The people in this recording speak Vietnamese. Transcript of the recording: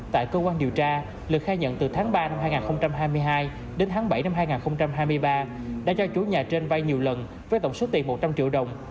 tại cơ quan điều tra lực khai nhận từ tháng ba năm hai nghìn hai mươi hai đến tháng bảy năm hai nghìn hai mươi ba đã cho chủ nhà trên vai nhiều lần với tổng số tiền một trăm linh triệu đồng